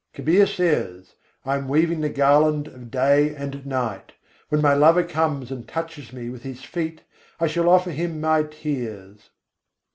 Kabîr says: "I am weaving the garland of day and night. When my Lover comes and touches me with His feet, I shall offer Him my tears."